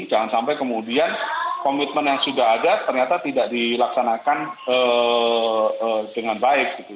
jangan sampai kemudian komitmen yang sudah ada ternyata tidak dilaksanakan dengan baik gitu